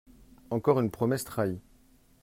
Encore une promesse trahie